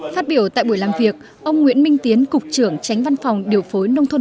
phát biểu tại buổi làm việc ông nguyễn minh tiến cục trưởng tránh văn phòng điều phối nông thôn